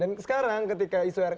dan sekarang ketika isu rkuhp muncul lagi